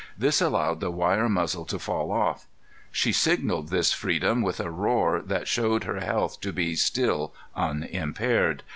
This allowed the wire muzzle to fall off. She signalled this freedom with a roar that showed her health to be still unimpaired.